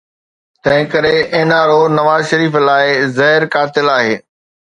تنهن ڪري N R O Nawaz Sharif لاءِ زهر قاتل آهي.